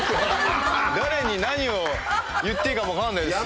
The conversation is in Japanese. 誰に何を言っていいかも分からないですし。